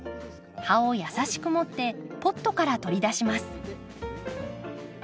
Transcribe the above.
葉を優しく持ってポットから取り出します。